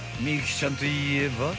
［ミキちゃんといえば］